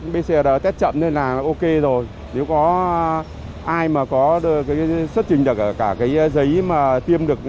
pcr test chậm nên là ok rồi nếu có ai mà có xuất trình cả cái giấy mà tiêm được